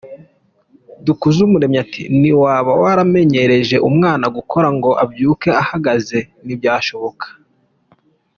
Dukuzumuremyi ati ”Ntiwaba waramenyereje umwana gukora ngo abyuke ahagaze! Ntibyashoboka.